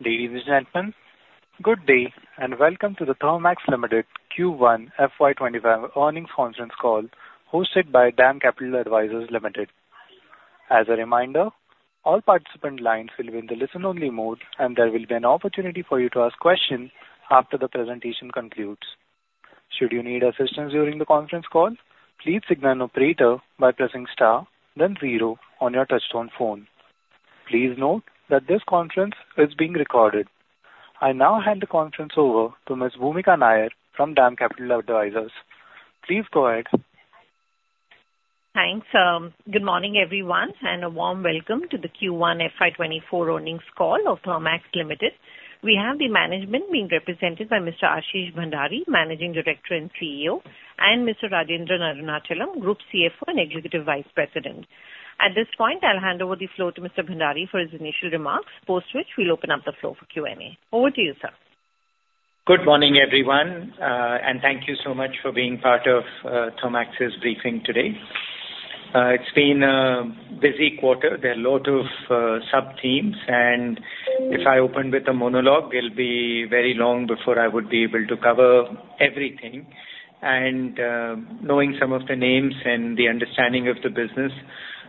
Ladies and gentlemen, good day, and welcome to the Thermax Limited Q1 FY25 earnings conference call, hosted by DAM Capital Advisors Limited. As a reminder, all participant lines will be in the listen only mode, and there will be an opportunity for you to ask questions after the presentation concludes. Should you need assistance during the conference call, please signal an operator by pressing star then zero on your touchtone phone. Please note that this conference is being recorded. I now hand the conference over to Ms. Bhumika Nair from DAM Capital Advisors. Please go ahead. Thanks, good morning, everyone, and a warm welcome to the Q1 FY 2024 earnings call of Thermax Limited. We have the management being represented by Mr. Ashish Bhandari, Managing Director and CEO, and Mr. Rajendran Arunachalam, Group CFO and Executive Vice President. At this point, I'll hand over the floor to Mr. Bhandari for his initial remarks, post which we'll open up the floor for Q&A. Over to you, sir. Good morning, everyone, and thank you so much for being part of Thermax's briefing today. It's been a busy quarter. There are a lot of sub-themes, and if I open with a monologue, it'll be very long before I would be able to cover everything. And, knowing some of the names and the understanding of the business,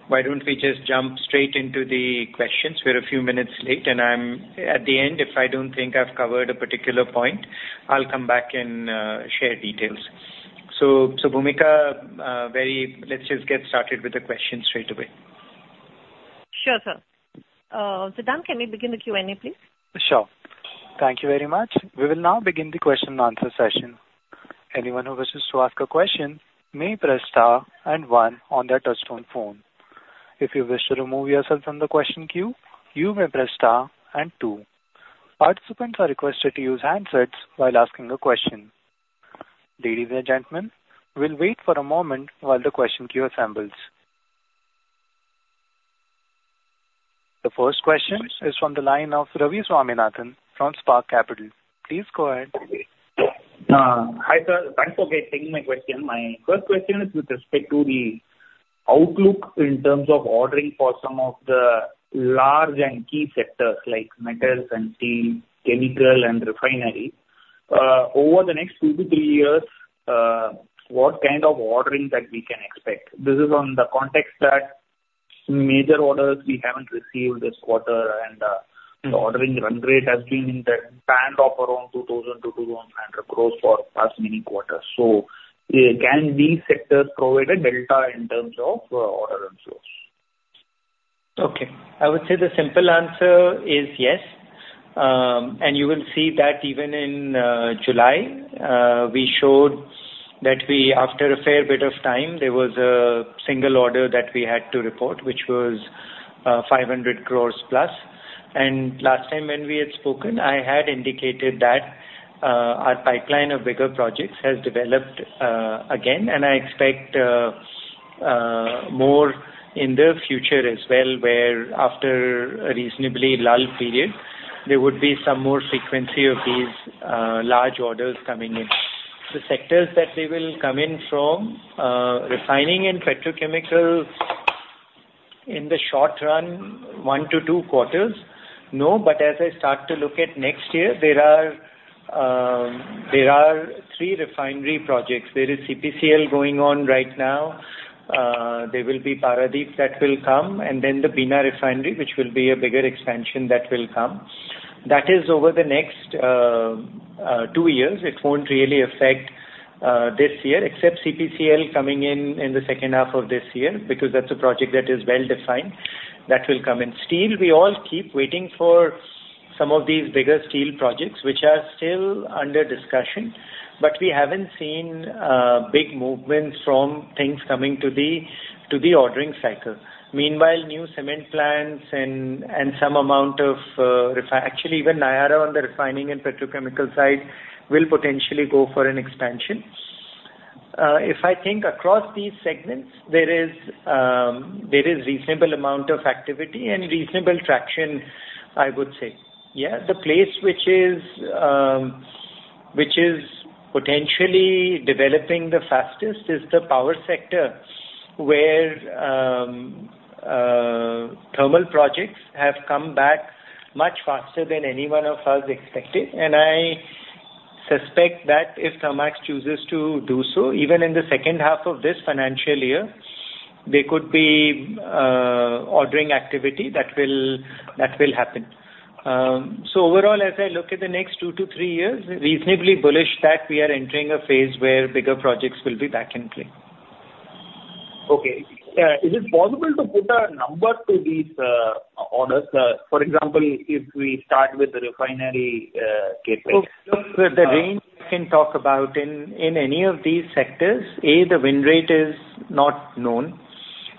why don't we just jump straight into the questions? We're a few minutes late, and I'm... At the end, if I don't think I've covered a particular point, I'll come back and share details. So, Bhumika, very, let's just get started with the questions straight away. Sure, sir. Sidham, can we begin the Q&A, please? Sure. Thank you very much. We will now begin the question and answer session. Anyone who wishes to ask a question may press Star and One on their touch-tone phone. If you wish to remove yourself from the question queue, you may press Star and Two. Participants are requested to use handsets while asking a question. Ladies and gentlemen, we'll wait for a moment while the question queue assembles. The first question is from the line of Ravi Swaminathan from Spark Capital. Please go ahead. Hi, sir. Thanks for taking my question. My first question is with respect to the outlook in terms of ordering for some of the large and key sectors like metals and steel, chemical and refinery. Over the next two to three years, what kind of ordering that we can expect? This is on the context that major orders we haven't received this quarter, and the ordering run rate has been in the band of around 2,000 crore-200 crore for past many quarters. So, can these sectors provide a delta in terms of order and source? Okay. I would say the simple answer is yes. And you will see that even in July, we showed that we, after a fair bit of time, there was a single order that we had to report, which was 500 crore plus. And last time when we had spoken, I had indicated that our pipeline of bigger projects has developed again, and I expect more in the future as well, where after a reasonably lull period, there would be some more frequency of these large orders coming in. The sectors that they will come in from, refining and petrochemicals, in the short run, 1-2 quarters, no, but as I start to look at next year, there are, there are 3 refinery projects. There is CPCL going on right now. There will be Paradip that will come, and then the Bina Refinery, which will be a bigger expansion that will come. That is over the next two years. It won't really affect this year, except CPCL coming in in the second half of this year, because that's a project that is well-defined, that will come in. Steel, we all keep waiting for some of these bigger steel projects, which are still under discussion, but we haven't seen big movements from things coming to the ordering cycle. Meanwhile, new cement plants and some amount of actually, even Nayara on the refining and petrochemical side will potentially go for an expansion. If I think across these segments, there is there is reasonable amount of activity and reasonable traction, I would say. Yeah, the place which is, which is potentially developing the fastest is the power sector, where, thermal projects have come back much faster than any one of us expected. And I suspect that if Thermax chooses to do so, even in the second half of this financial year, there could be, ordering activity that will, that will happen. So overall, as I look at the next two to three years, reasonably bullish that we are entering a phase where bigger projects will be back in play. Okay. Is it possible to put a number to these orders? For example, if we start with the refinery gateway. The range I can talk about in any of these sectors, the win rate is not known,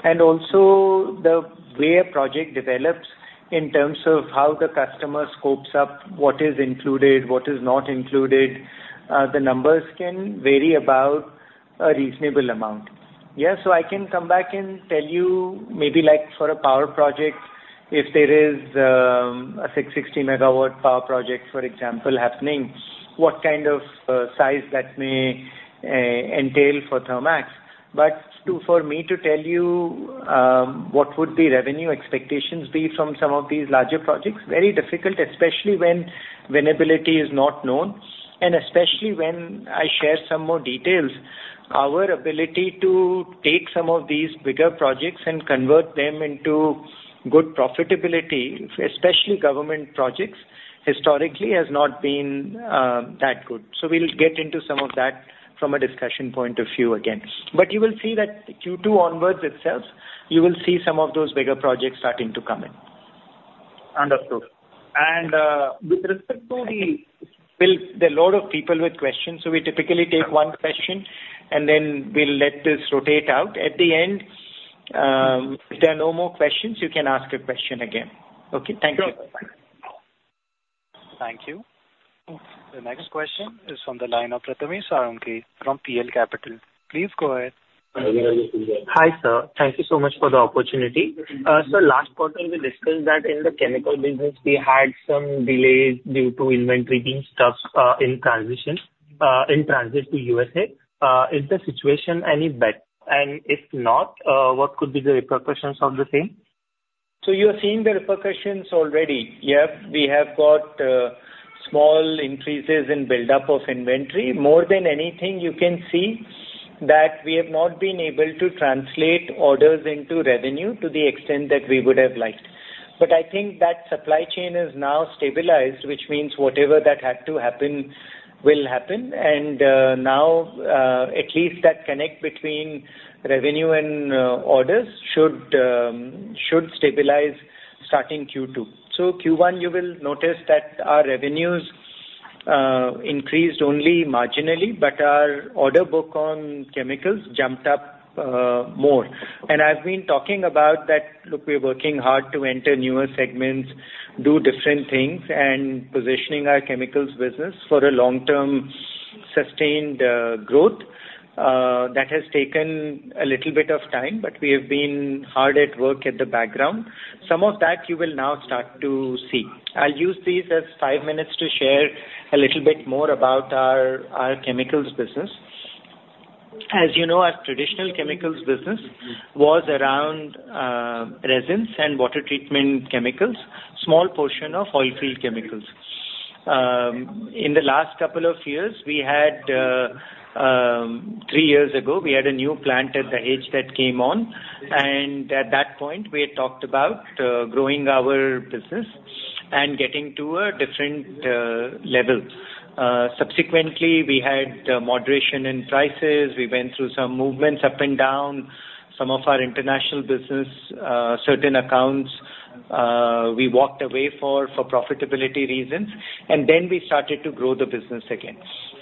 and also the way a project develops in terms of how the customer scopes up, what is included, what is not included, the numbers can vary about a reasonable amount. Yeah, so I can come back and tell you maybe like for a power project, if there is a 660 MW power project, for example, happening, what kind of size that may entail for Thermax? But for me to tell you what would the revenue expectations be from some of these larger projects, very difficult, especially when winnability is not known, and especially when I share some more details, our ability to take some of these bigger projects and convert them into good profitability, especially government projects, historically has not been that good. So we'll get into some of that from a discussion point of view again. But you will see that Q2 onwards itself, you will see some of those bigger projects starting to come in. Understood. And, with respect to the- Well, there are a lot of people with questions, so we typically take one question, and then we'll let this rotate out. At the end, if there are no more questions, you can ask a question again. Okay? Thank you. Sure. Thank you. The next question is from the line of Rathamesh Koyande from PL Capital. Please go ahead. Hi, sir. Thank you so much for the opportunity. So last quarter, we discussed that in the chemical business, we had some delays due to inventory being stuck in transit to USA. Is the situation any better? And if not, what could be the repercussions of the same? So you are seeing the repercussions already. Yep, we have got small increases in buildup of inventory. More than anything, you can see that we have not been able to translate orders into revenue to the extent that we would have liked. But I think that supply chain is now stabilized, which means whatever that had to happen will happen. And now, at least that connect between revenue and orders should should stabilize starting Q2. So Q1, you will notice that our revenues increased only marginally, but our order book on chemicals jumped up more. And I've been talking about that, look, we're working hard to enter newer segments, do different things, and positioning our chemicals business for a long-term, sustained growth. That has taken a little bit of time, but we have been hard at work at the background. Some of that you will now start to see. I'll use these as five minutes to share a little bit more about our, our chemicals business. As you know, our traditional chemicals business was around, resins and water treatment chemicals, small portion of oil field chemicals. In the last couple of years, we had... Three years ago, we had a new plant at Dahej that came on, and at that point, we had talked about, growing our business and getting to a different, level. Subsequently, we had moderation in prices. We went through some movements up and down. Some of our international business, certain accounts, we walked away for, for profitability reasons, and then we started to grow the business again.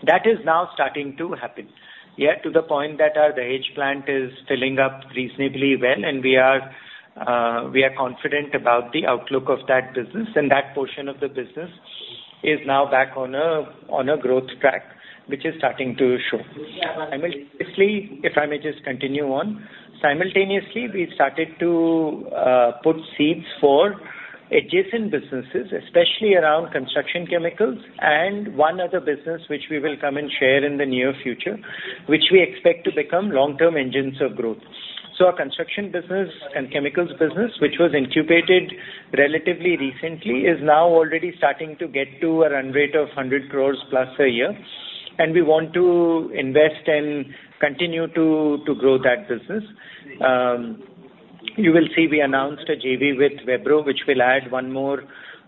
That is now starting to happen. Yet, to the point that our Dahej plant is filling up reasonably well, and we are, we are confident about the outlook of that business, and that portion of the business is now back on a, on a growth track, which is starting to show. Simultaneously, if I may just continue on, simultaneously, we started to, put seeds for adjacent businesses, especially around construction chemicals and one other business which we will come and share in the near future, which we expect to become long-term engines of growth. So our construction business and chemicals business, which was incubated relatively recently, is now already starting to get to a run rate of 100 crore plus a year, and we want to invest and continue to, to grow that business. You will see we announced a JV with Vebro, which will add one more,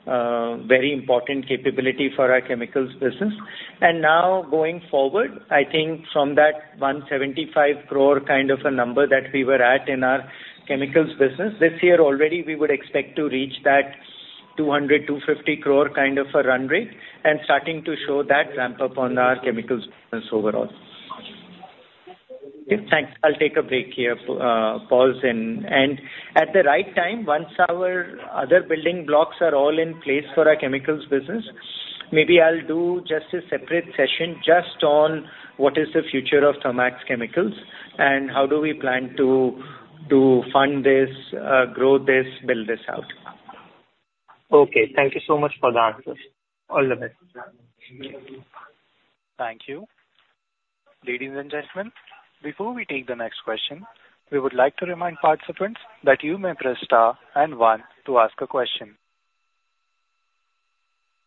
very important capability for our chemicals business. And now, going forward, I think from that 175 crore kind of a number that we were at in our chemicals business, this year already, we would expect to reach that 200 crore-250 crore kind of a run rate and starting to show that ramp up on our chemicals business overall. Okay, thanks. I'll take a break here, pause and at the right time, once our other building blocks are all in place for our chemicals business, maybe I'll do just a separate session just on what is the future of Thermax Chemicals, and how do we plan to fund this, grow this, build this out? Okay, thank you so much for the answers. All the best. Thank you. Ladies and gentlemen, before we take the next question, we would like to remind participants that you may press Star and One to ask a question.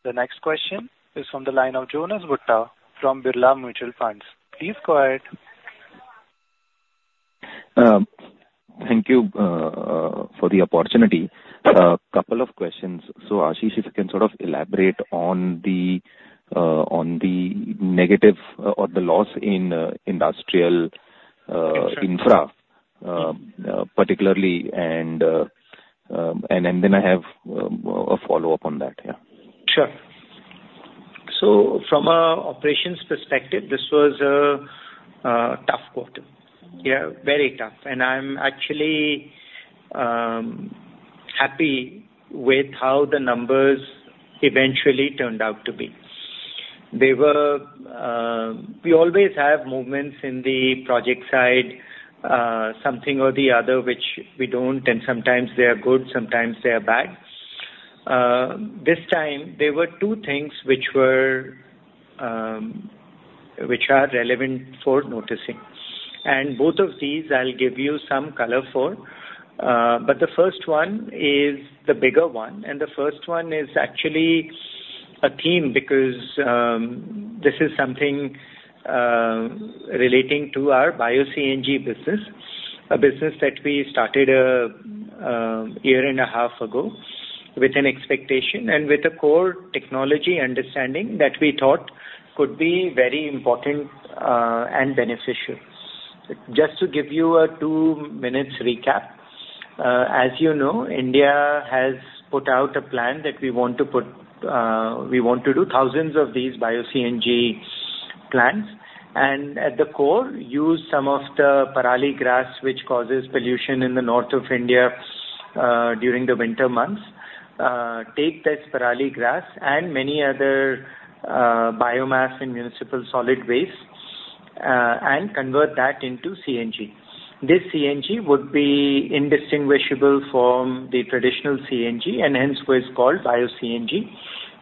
The next question is from the line of Jonas Bhutta from Birla Mutual Funds. Please go ahead. Thank you for the opportunity. Couple of questions. So Ashish, if you can sort of elaborate on the, on the negative or the loss in industrial infra, particularly, and then I have a follow-up on that. Yeah. Sure. So from an operations perspective, this was a tough quarter. Yeah, very tough. And I'm actually happy with how the numbers eventually turned out to be. They were... We always have movements in the project side, something or the other, which we don't, and sometimes they are good, sometimes they are bad. This time there were two things which were relevant for noticing, and both of these I'll give you some color for. But the first one is the bigger one, and the first one is actually a theme because this is something relating to our bio-CNG business. A business that we started a year and a half ago with an expectation and with a core technology understanding that we thought could be very important and beneficial. Just to give you a two minutes recap. As you know, India has put out a plan that we want to put, we want to do thousands of these bio-CNG plants, and at the core, use some of the parali grass, which causes pollution in the north of India, during the winter months. Take this parali grass and many other, biomass and municipal solid waste, and convert that into CNG. This CNG would be indistinguishable from the traditional CNG, and hence was called bio-CNG,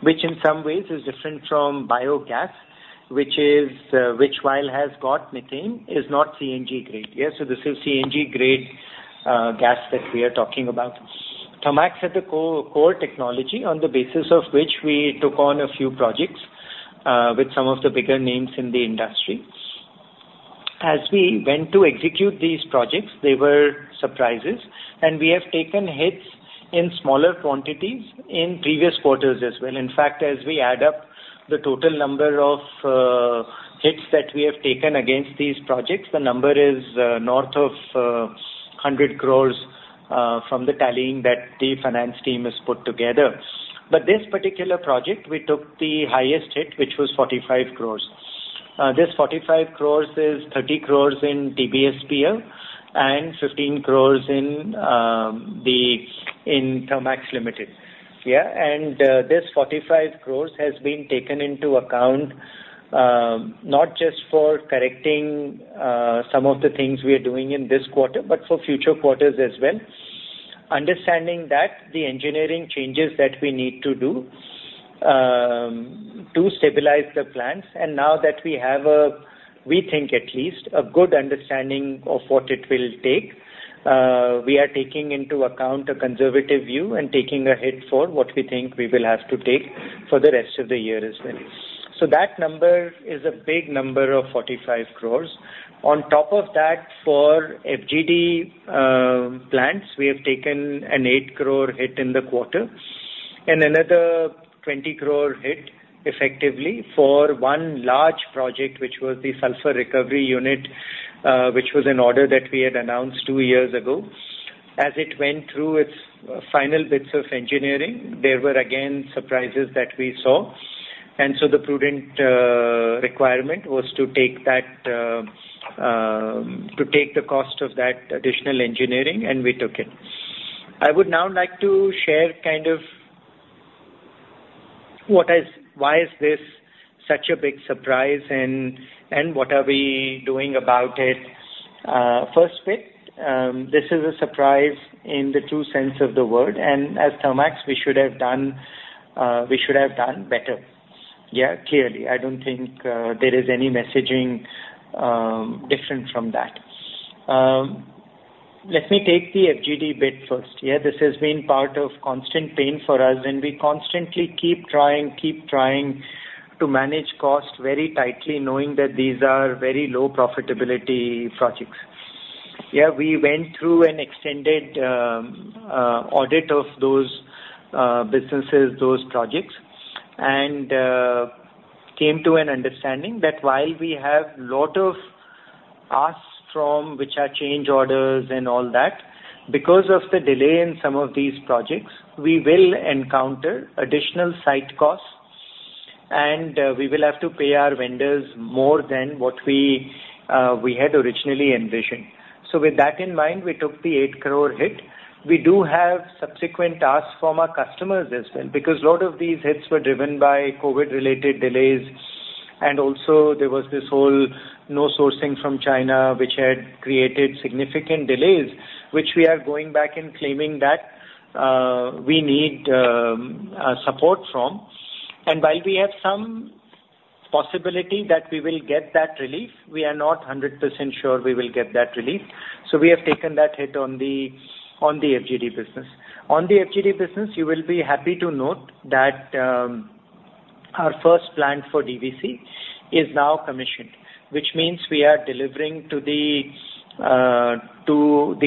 which in some ways is different from biogas, which is, which while has got methane, is not CNG grade. Yeah, so this is CNG grade, gas that we are talking about. Thermax had the core, core technology on the basis of which we took on a few projects, with some of the bigger names in the industry. As we went to execute these projects, there were surprises, and we have taken hits in smaller quantities in previous quarters as well. In fact, as we add up the total number of hits that we have taken against these projects, the number is north of 100 crore from the tallying that the finance team has put together. But this particular project, we took the highest hit, which was 45 crore. This 45 crore is 30 crore in TBSPL and 15 crore in the in Thermax Limited. Yeah, and this 45 crore has been taken into account, not just for correcting some of the things we are doing in this quarter, but for future quarters as well. Understanding that the engineering changes that we need to do to stabilize the plants, and now that we have, we think at least, a good understanding of what it will take, we are taking into account a conservative view and taking a hit for what we think we will have to take for the rest of the year as well. So that number is a big number of 45 crore. On top of that, for FGD plants, we have taken an 8 crore hit in the quarter, and another 20 crore hit effectively for one large project, which was the sulfur recovery unit, which was an order that we had announced two years ago. As it went through its final bits of engineering, there were again, surprises that we saw, and so the prudent requirement was to take that, to take the cost of that additional engineering, and we took it. I would now like to share kind of what is why is this such a big surprise, and what are we doing about it? First bit, this is a surprise in the true sense of the word, and as Thermax, we should have done, we should have done better. Yeah, clearly, I don't think there is any messaging different from that. Let me take the FGD bit first. Yeah, this has been part of constant pain for us, and we constantly keep trying, keep trying to manage costs very tightly, knowing that these are very low profitability projects. Yeah, we went through an extended audit of those businesses, those projects, and came to an understanding that while we have a lot of asks from which are change orders and all that, because of the delay in some of these projects, we will encounter additional site costs, and we will have to pay our vendors more than what we had originally envisioned. So with that in mind, we took the 8 crore hit. We do have subsequent tasks from our customers as well, because a lot of these hits were driven by COVID-related delays, and also there was this whole no sourcing from China, which had created significant delays, which we are going back and claiming that we need support from. While we have some possibility that we will get that relief, we are not 100% sure we will get that relief. So we have taken that hit on the FGD business. On the FGD business, you will be happy to note that our first plant for DVC is now commissioned, which means we are delivering to the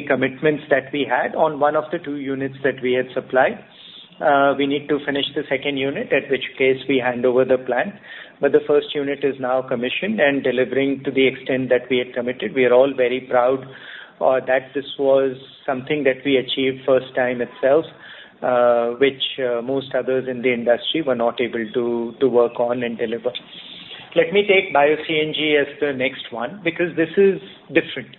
commitments that we had on one of the two units that we had supplied. We need to finish the second unit, at which case we hand over the plant, but the first unit is now commissioned and delivering to the extent that we had committed. We are all very proud that this was something that we achieved first time itself, which most others in the industry were not able to work on and deliver. Let me take bio-CNG as the next one, because this is different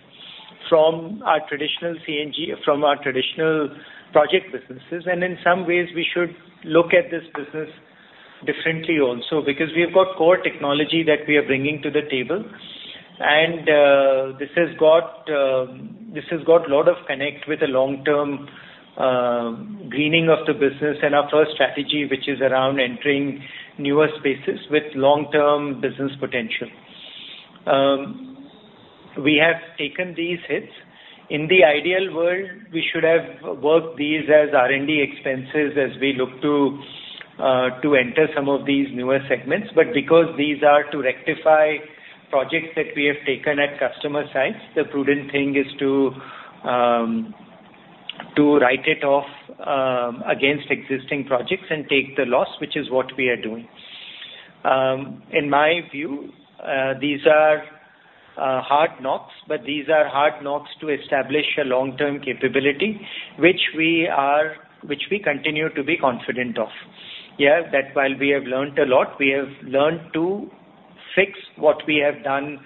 from our traditional CNG, from our traditional project businesses, and in some ways we should look at this business differently also, because we have got core technology that we are bringing to the table. This has got a lot of connect with the long-term greening of the business and our first strategy, which is around entering newer spaces with long-term business potential. We have taken these hits. In the ideal world, we should have worked these as R&D expenses as we look to enter some of these newer segments, but because these are to rectify projects that we have taken at customer sites, the prudent thing is to write it off against existing projects and take the loss, which is what we are doing. In my view, these are hard knocks, but these are hard knocks to establish a long-term capability, which we continue to be confident of. Yeah, that while we have learned a lot, we have learned to fix what we have done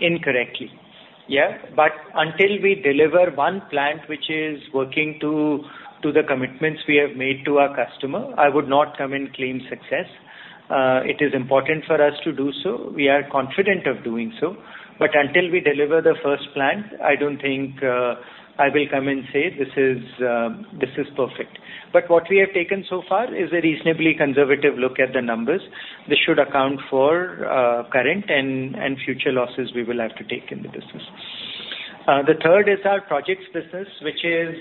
incorrectly. Yeah, but until we deliver one plant which is working to the commitments we have made to our customer, I would not come and claim success. It is important for us to do so. We are confident of doing so, but until we deliver the first plant, I don't think I will come and say, "This is, this is perfect." But what we have taken so far is a reasonably conservative look at the numbers. This should account for current and future losses we will have to take in the business. The third is our projects business, which is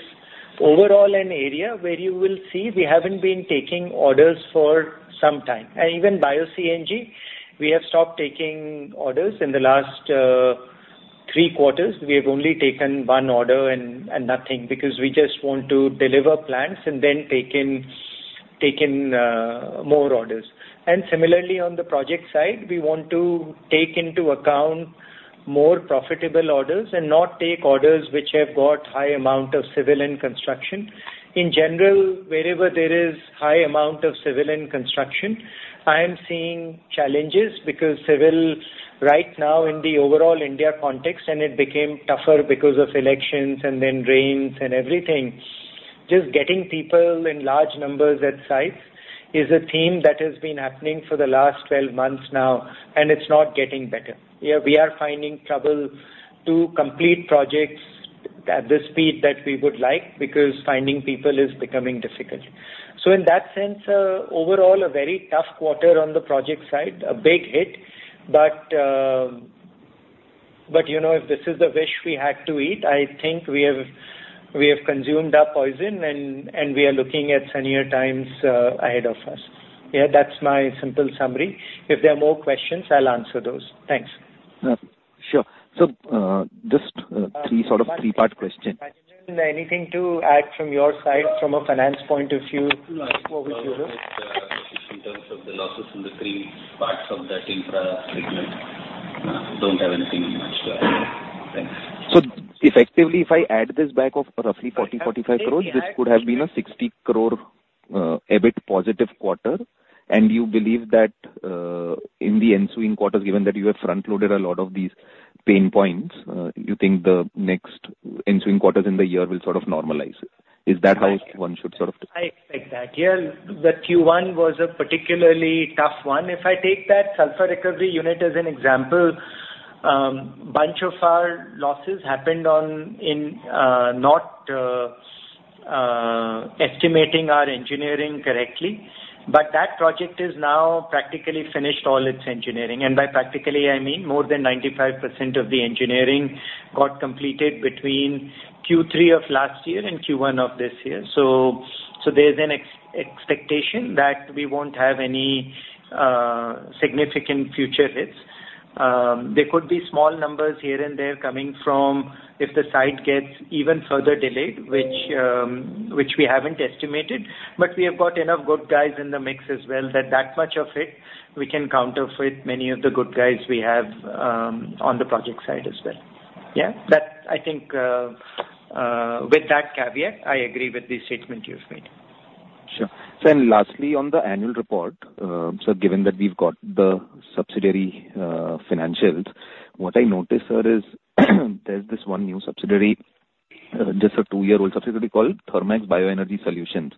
overall an area where you will see we haven't been taking orders for some time. And even Bio-CNG, we have stopped taking orders. In the last three quarters, we have only taken one order and, and nothing, because we just want to deliver plants and then take in, take in more orders. And similarly, on the project side, we want to take into account more profitable orders and not take orders which have got high amount of civil and construction. In general, wherever there is high amount of civil and construction, I am seeing challenges, because civil right now in the overall India context, and it became tougher because of elections and then rains and everything. Just getting people in large numbers at site is a theme that has been happening for the last 12 months now, and it's not getting better. Yeah, we are finding trouble to complete projects at the speed that we would like, because finding people is becoming difficult. So in that sense, overall, a very tough quarter on the project side, a big hit. But, but you know, if this is the fish we had to eat, I think we have, we have consumed that poison and, and we are looking at sunnier times ahead of us. Yeah, that's my simple summary. If there are more questions, I'll answer those. Thanks. Sure. So, just three sort of three-part question. Anything to add from your side, from a finance point of view? In terms of the losses in the three parts of that infra segment, don't have anything much to add. Thanks. So effectively, if I add this back of roughly 40 crore-45 crore, this could have been a 60 crore, EBIT positive quarter. And you believe that, in the ensuing quarters, given that you have front-loaded a lot of these pain points, you think the next ensuing quarters in the year will sort of normalize? Is that how one should sort of- I expect that. Yeah. The Q1 was a particularly tough one. If I take that sulfur recovery unit as an example, bunch of our losses happened on, in, not estimating our engineering correctly. But that project is now practically finished all its engineering, and by practically, I mean more than 95% of the engineering got completed between Q3 of last year and Q1 of this year. So, there's an expectation that we won't have any, significant future hits. There could be small numbers here and there coming from if the site gets even further delayed, which, which we haven't estimated, but we have got enough good guys in the mix as well, that that much of it we can counter with many of the good guys we have, on the project side as well. Yeah, that I think, with that caveat, I agree with the statement you've made. Sure. So lastly, on the annual report, so given that we've got the subsidiary financials, what I noticed, sir, is there's this one new subsidiary, just a two-year-old subsidiary called Thermax Bioenergy Solutions,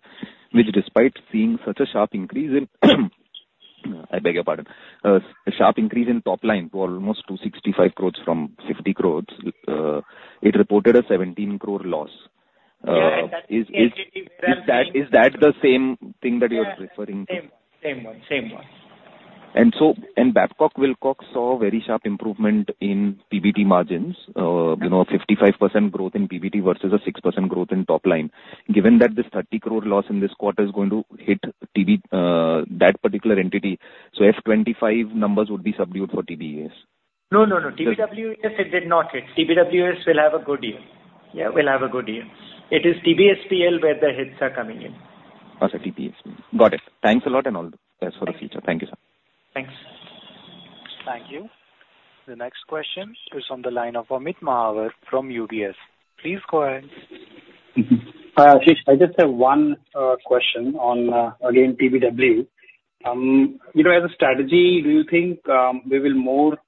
which despite seeing such a sharp increase in, I beg your pardon, a sharp increase in top line to almost 265 crore from 50 crore, it reported a 17 crore loss. Yeah. Is that the same thing that you're referring to? Same one. Same one. Babcock & Wilcox saw a very sharp improvement in PBT margins, you know, 55% growth in PBT versus a 6% growth in top line. Given that this 30 crore loss in this quarter is going to hit TBW, that particular entity, so FY25 numbers would be subdued for TBWS. No, no, no. TBW, it did not hit. TBWES will have a good year. Yeah, we'll have a good year. It is TBSPL where the hits are coming in. Also, TBSPL. Got it. Thanks a lot and all the best for the future. Thank you, sir. Thanks. Thank you. The next question is on the line of Amit Mahawar from UBS. Please go ahead. Ashish, I just have one question on again TBW. You know, as a strategy, do you think we will more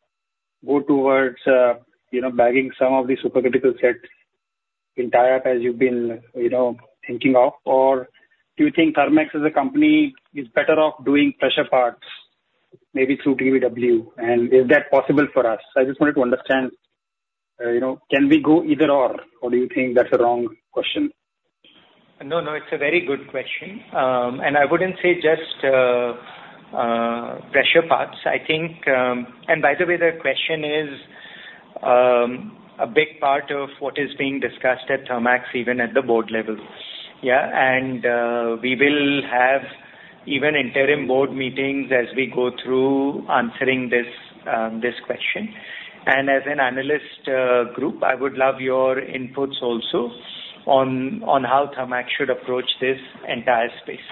go towards you know bagging some of the supercritical sets? Entire as you've been you know thinking of? Or do you think Thermax as a company is better off doing pressure parts, maybe through TBW, and is that possible for us? I just wanted to understand you know can we go either or, or do you think that's a wrong question? No, no, it's a very good question. And I wouldn't say just pressure parts. I think... By the way, the question is a big part of what is being discussed at Thermax, even at the board level. Yeah, and we will have even interim board meetings as we go through answering this question. And as an analyst group, I would love your inputs also on how Thermax should approach this entire space.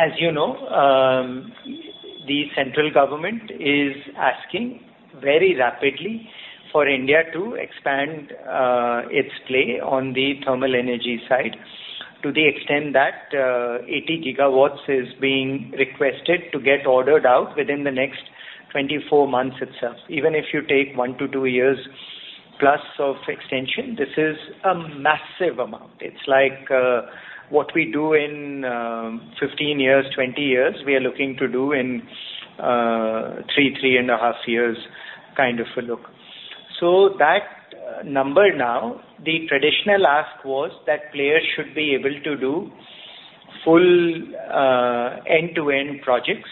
As you know, the central government is asking very rapidly for India to expand its play on the thermal energy side, to the extent that 80 gigawatts is being requested to get ordered out within the next 24 months itself. Even if you take 1-2 years plus of extension, this is a massive amount. It's like, what we do in 15 years, 20 years, we are looking to do in 3, 3.5 years, kind of a look. So that number now, the traditional ask was that players should be able to do full end-to-end projects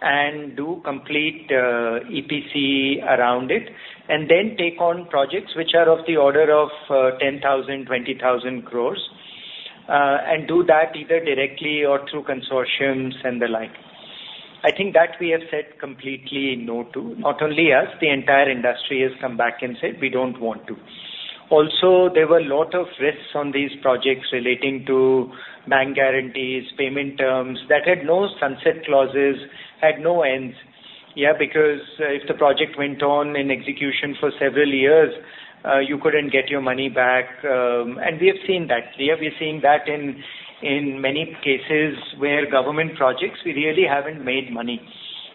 and do complete EPC around it, and then take on projects which are of the order of 10,000 crore-20,000 crore, and do that either directly or through consortiums and the like. I think that we have said completely no to. Not only us, the entire industry has come back and said, "We don't want to." Also, there were a lot of risks on these projects relating to bank guarantees, payment terms, that had no sunset clauses, had no ends. Yeah, because if the project went on in execution for several years, you couldn't get your money back, and we have seen that. We have been seeing that in many cases where government projects, we really haven't made money.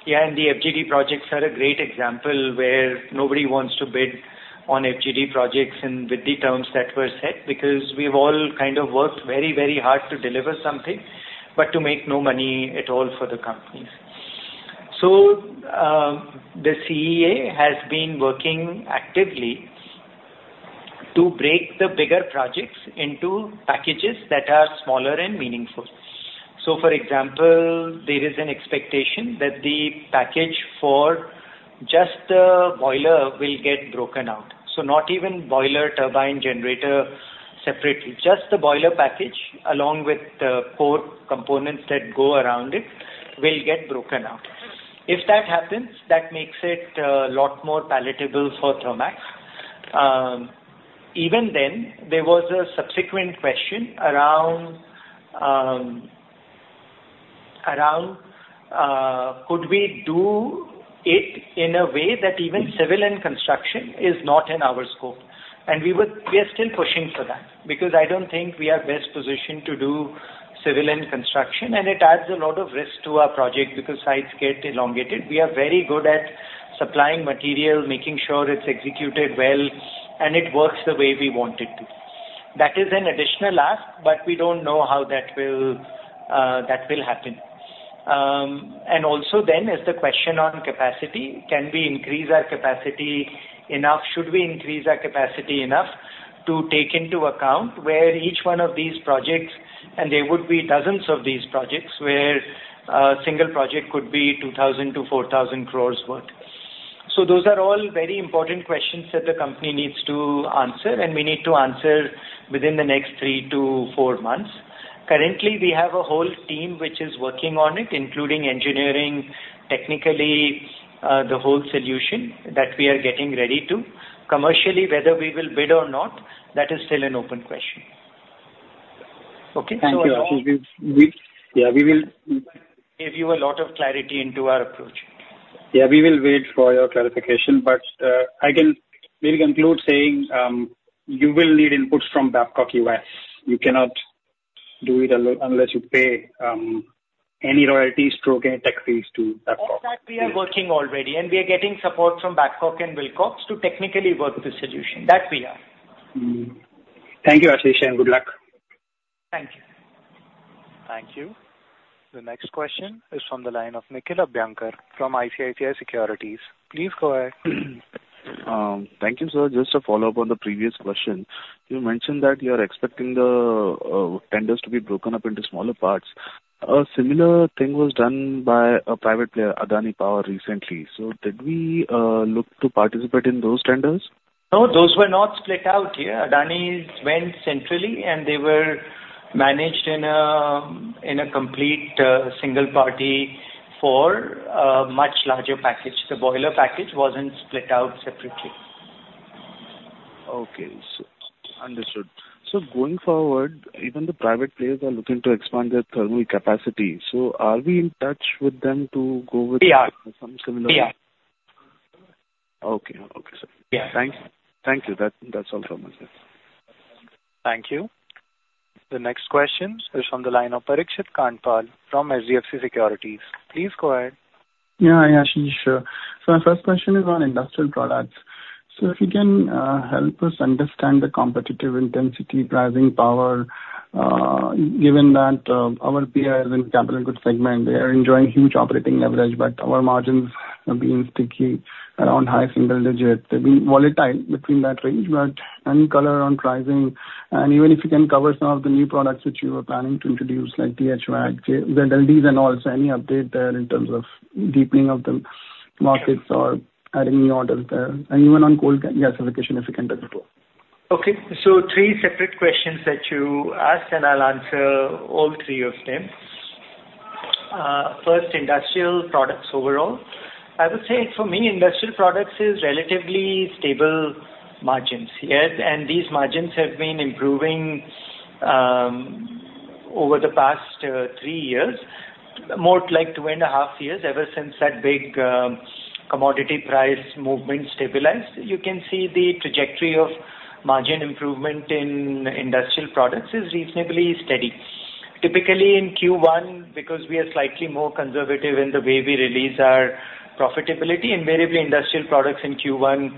Yeah, and the FGD projects are a great example where nobody wants to bid on FGD projects and with the terms that were set, because we've all kind of worked very, very hard to deliver something, but to make no money at all for the companies. So, the CEA has been working actively to break the bigger projects into packages that are smaller and meaningful. So, for example, there is an expectation that the package for just the boiler will get broken out. So not even boiler, turbine, generator separately, just the boiler package, along with the core components that go around it, will get broken out. If that happens, that makes it a lot more palatable for Thermax. Even then, there was a subsequent question around could we do it in a way that even civil and construction is not in our scope? And we are still pushing for that, because I don't think we are best positioned to do civil and construction, and it adds a lot of risk to our project because sites get elongated. We are very good at supplying material, making sure it's executed well, and it works the way we want it to. That is an additional ask, but we don't know how that will that will happen. And also then, is the question on capacity. Can we increase our capacity enough? Should we increase our capacity enough to take into account where each one of these projects, and there would be dozens of these projects, where a single project could be 2,000-4,000 crore worth. So those are all very important questions that the company needs to answer, and we need to answer within the next three to four months. Currently, we have a whole team which is working on it, including engineering, technically, the whole solution that we are getting ready to. Commercially, whether we will bid or not, that is still an open question. Okay? Thank you. We... Yeah, we will- Give you a lot of clarity into our approach. Yeah, we will wait for your clarification, but I can maybe conclude saying you will need inputs from Babcock US. You cannot do it unless you pay any royalties to or any taxes to Babcock. All that we are working already, and we are getting support from Babcock & Wilcox to technically work the solution. That we are. Mm. Thank you, Ashish, and good luck. Thank you. Thank you. The next question is from the line of Nikhil Abhyankar from ICICI Securities. Please go ahead. Thank you, sir. Just a follow-up on the previous question. You mentioned that you are expecting the tenders to be broken up into smaller parts. A similar thing was done by a private player, Adani Power, recently. So did we look to participate in those tenders? No, those were not split out, yeah. Adani's went centrally, and they were managed in a complete single party for a much larger package. The boiler package wasn't split out separately. Okay. Understood. Going forward, even the private players are looking to expand their thermal capacity. Are we in touch with them to go with- Yeah. -some similar? Yeah. Okay. Okay, sir. Yeah. Thanks. Thank you. That, that's all from me. ...Thank you. The next question is from the line of Parikshit Kandpal from HDFC Securities. Please go ahead. Yeah, yeah, sure. So my first question is on industrial products. So if you can help us understand the competitive intensity, pricing power, given that our peers in capital goods segment, they are enjoying huge operating leverage, but our margins have been sticky around high single digits. They've been volatile between that range, but any color on pricing, and even if you can cover some of the new products which you are planning to introduce, like T-VAC, ZLDs, and also any update there in terms of deepening of the markets or adding new orders there. And even on coal gasification, if you can touch it too. Okay, so three separate questions that you asked, and I'll answer all three of them. First, industrial products overall. I would say for me, industrial products is relatively stable margins, yes, and these margins have been improving over the past three years, more like two and a half years, ever since that big commodity price movement stabilized. You can see the trajectory of margin improvement in industrial products is reasonably steady. Typically, in Q1, because we are slightly more conservative in the way we release our profitability, invariably industrial products in Q1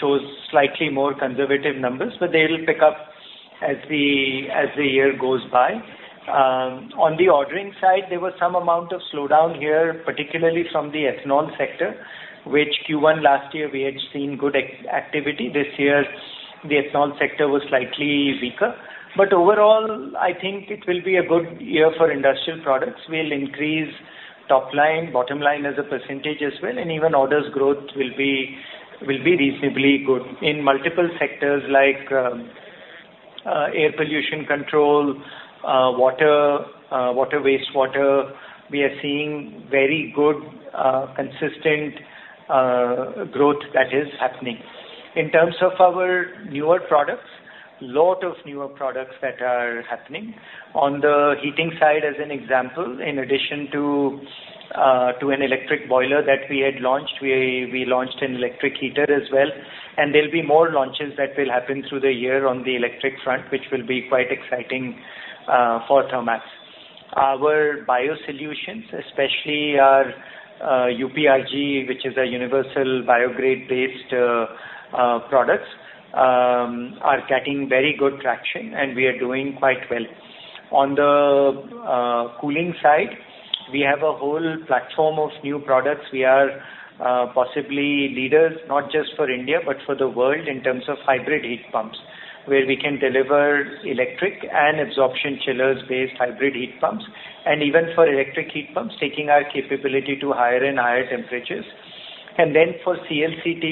shows slightly more conservative numbers, but they will pick up as the year goes by. On the ordering side, there was some amount of slowdown here, particularly from the ethanol sector, which Q1 last year we had seen good activity. This year, the ethanol sector was slightly weaker. But overall, I think it will be a good year for industrial products. We'll increase top line, bottom line as a percentage as well, and even orders growth will be reasonably good. In multiple sectors like air pollution control, water, water, wastewater, we are seeing very good, consistent, growth that is happening. In terms of our newer products, lot of newer products that are happening. On the heating side, as an example, in addition to an electric boiler that we had launched, we, we launched an electric heater as well, and there'll be more launches that will happen through the year on the electric front, which will be quite exciting, for Thermax. Our biosolutions, especially our UBG, which is a universal bio-grate-based products, are getting very good traction, and we are doing quite well. On the cooling side, we have a whole platform of new products. We are possibly leaders, not just for India, but for the world in terms of hybrid heat pumps, where we can deliver electric and absorption chillers-based hybrid heat pumps, and even for electric heat pumps, taking our capability to higher and higher temperatures. And then for CLCT,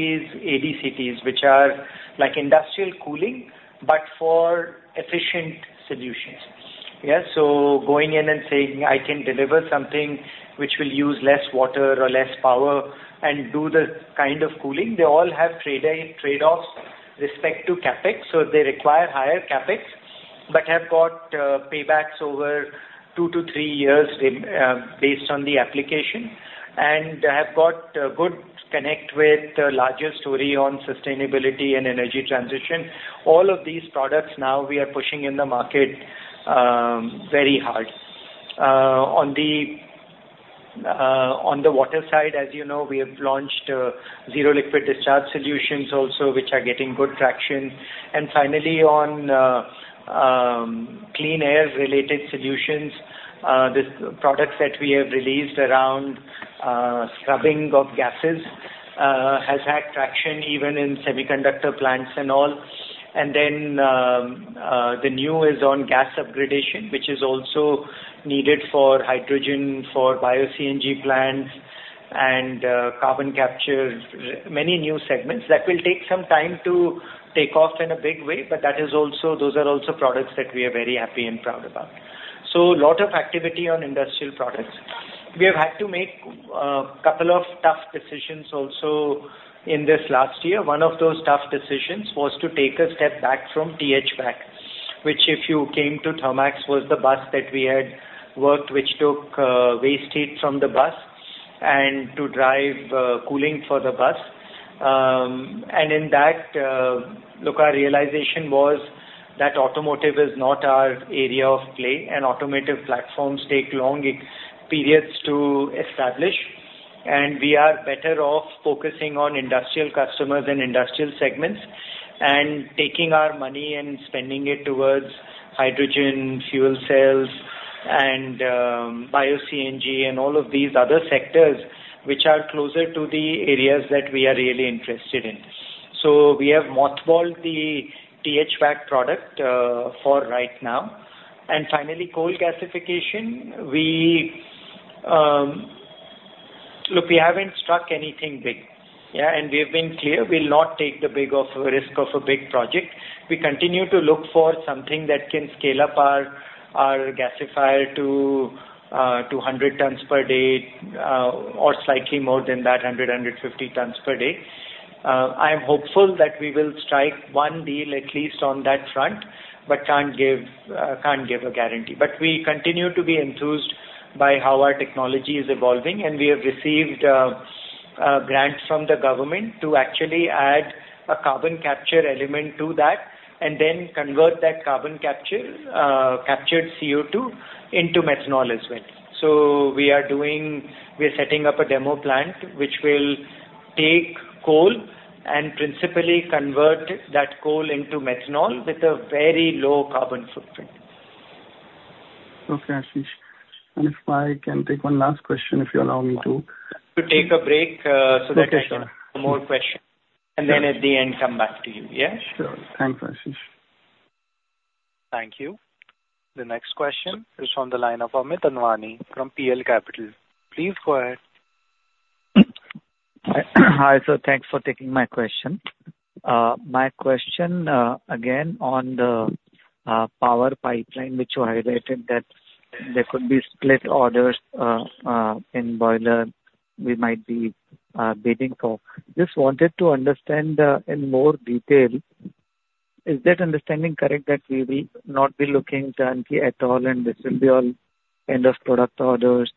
ADCTs, which are like industrial cooling, but for efficient solutions. Yeah, so going in and saying, "I can deliver something which will use less water or less power and do the kind of cooling," they all have trade-offs with respect to CapEx, so they require higher CapEx, but have got paybacks over two to three years, based on the application, and have got a good connect with the larger story on sustainability and energy transition. All of these products now we are pushing in the market, very hard. On the water side, as you know, we have launched zero liquid discharge solutions also, which are getting good traction. And finally, on clean air-related solutions, the products that we have released around scrubbing of gases, has had traction even in semiconductor plants and all. And then, the new is on gas upgradation, which is also needed for hydrogen, for bio-CNG plants and carbon capture. Many new segments that will take some time to take off in a big way, but that is also, those are also products that we are very happy and proud about. So a lot of activity on industrial products. We have had to make couple of tough decisions also in this last year. One of those tough decisions was to take a step back from THWACK, which, if you came to Thermax, was the bus that we had worked, which took waste heat from the bus and to drive cooling for the bus. And in that, look, our realization was that automotive is not our area of play, and automotive platforms take long periods to establish, and we are better off focusing on industrial customers and industrial segments and taking our money and spending it towards hydrogen, fuel cells and bio-CNG and all of these other sectors which are closer to the areas that we are really interested in. So we have mothballed the THWACK product for right now. And finally, coal gasification. We... Look, we haven't struck anything big, yeah? And we've been clear, we'll not take the big of a risk of a big project. We continue to look for something that can scale up our gasifier to 200 tons per day or slightly more than that, 150 tons per day. I'm hopeful that we will strike one deal, at least on that front, but can't give a guarantee. But we continue to be enthused by how our technology is evolving, and we have received grant from the government to actually add a carbon capture element to that, and then convert that carbon capture captured CO2 into methanol as well. So we are setting up a demo plant, which will take coal and principally convert that coal into methanol with a very low carbon footprint. Okay, Ashish. And if I can take one last question, if you allow me to. To take a break, so that I can- Okay, sure. More questions, and then at the end, come back to you. Yeah? Sure. Thanks, Ashish. Thank you. The next question is on the line of Amit Anwani from PL Capital. Please go ahead. Hi, sir. Thanks for taking my question. My question again on the power pipeline, which you highlighted, that there could be split orders in boiler we might be bidding for. Just wanted to understand in more detail, is that understanding correct, that we will not be looking turnkey at all, and this will be all end of product orders?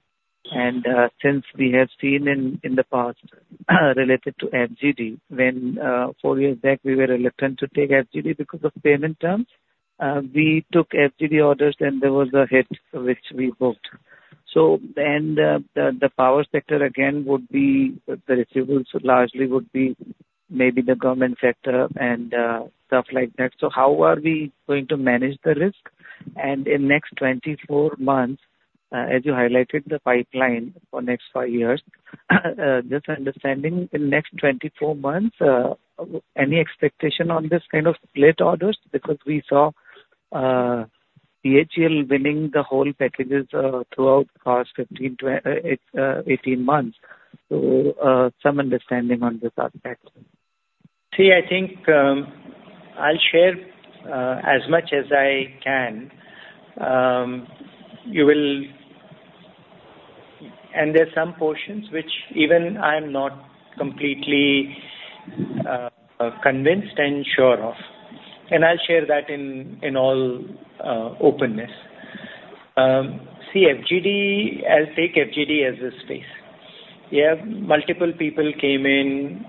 And since we have seen in the past, related to FGD, when four years back, we were reluctant to take FGD because of payment terms. We took FGD orders, and there was a hit, which we booked. So then the power sector again would be, the receivables largely would be maybe the government sector and stuff like that. So how are we going to manage the risk? In next 24 months, as you highlighted the pipeline for next five years, just understanding, in the next 24 months, any expectation on this kind of split orders? Because we saw, BHEL winning the whole packages, throughout the past 18 months. So, some understanding on this aspect. See, I think, I'll share as much as I can. And there are some portions which even I'm not completely convinced and sure of, and I'll share that in all openness. See, FGD, I'll take FGD as a space. Yeah, multiple people came in,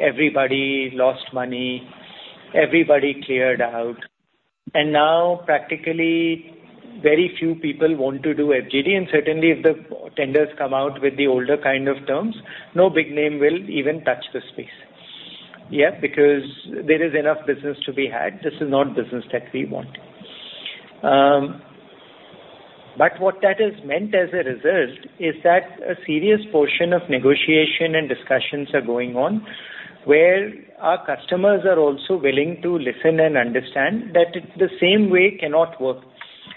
everybody lost money, everybody cleared out, and now practically very few people want to do FGD. And certainly, if the tenders come out with the older kind of terms, no big name will even touch the space. Yeah, because there is enough business to be had. This is not business that we want. But what that has meant as a result is that a serious portion of negotiation and discussions are going on, where our customers are also willing to listen and understand that it, the same way cannot work.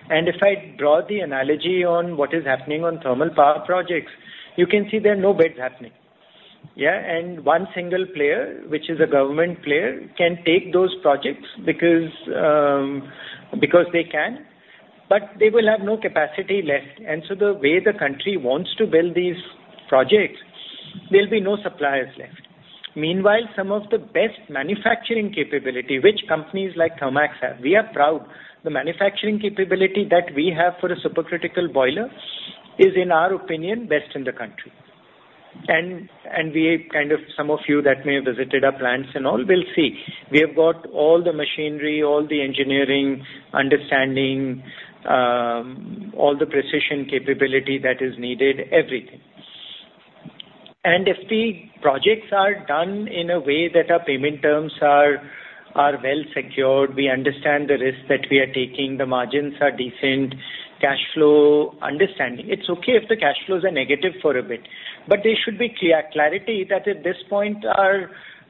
If I draw the analogy on what is happening on thermal power projects, you can see there are no bids happening, yeah. One single player, which is a government player, can take those projects because they can, but they will have no capacity left. So the way the country wants to build these projects, there'll be no suppliers left. Meanwhile, some of the best manufacturing capability, which companies like Thermax have, we are proud. The manufacturing capability that we have for a supercritical boiler is, in our opinion, best in the country. And we kind of some of you that may have visited our plants and all will see. We have got all the machinery, all the engineering, understanding, all the precision capability that is needed, everything. And if the projects are done in a way that our payment terms are well secured, we understand the risks that we are taking, the margins are decent, cash flow understanding. It's okay if the cash flows are negative for a bit, but there should be clarity that at this point,